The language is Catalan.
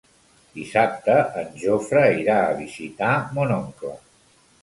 Dissabte en Jofre irà a visitar mon oncle.